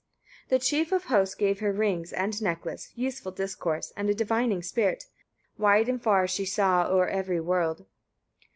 23. The chief of hosts gave her rings and necklace, useful discourse, and a divining spirit: wide and far she saw o'er every world.